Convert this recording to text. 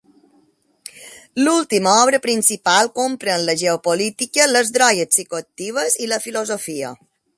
L'última obra principal comprèn la geopolítica, les drogues psicoactives i la filosofia.